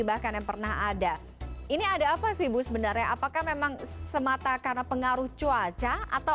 bahkan yang pernah ada ini ada apa sih bu sebenarnya apakah memang semata karena pengaruh cuaca atau